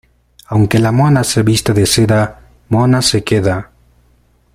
Aunque la mona se vista de seda, mona se queda.